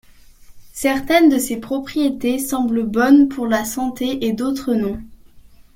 Certaines de ces propriétés semblent bonnes pour la santé, et d'autres non.